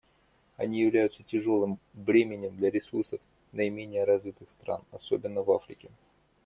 Они являются тяжелым бременем для ресурсов наименее развитых стран, особенно в Африке.